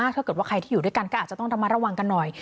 ถ้าเกิดว่าใครที่อยู่ด้วยกันก็อาจจะต้องระมัดระวังกันหน่อย